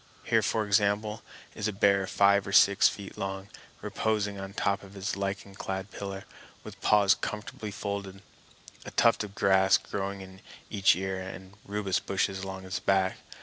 Here, for example, is a bear five or six feet long, reposing on top of his lichen clad pillar, with paws comfortably folded, a tuft of grass growing in each ear and rubus bushes along his back.